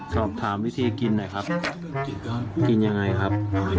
สอบถามวิธีกินหน่อยครับกินยังไงครับ